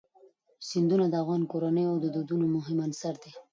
سیندونه د افغان کورنیو د دودونو مهم عنصر دی.